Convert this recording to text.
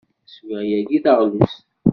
Swiɣ yagi taɣlust.